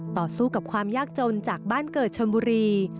ต่อสู้กับความยากจนจากบ้านเกิดชนบุรี